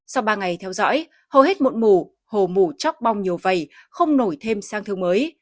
sau ba ngày theo dõi hầu hết một mủ hồ mủ chóc bong nhiều vầy không nổi thêm sang thương mới